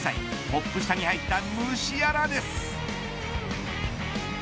トップ下に入ったムシアラです。